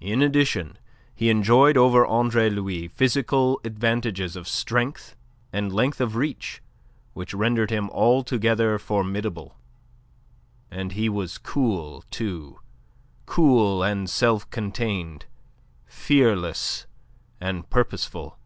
In addition, he enjoyed over Andre Louis physical advantages of strength and length of reach, which rendered him altogether formidable. And he was cool, too; cool and self contained; fearless and purposeful.